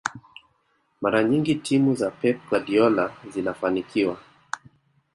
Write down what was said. mara nyingi timu za pep guardiola zinafanikiwa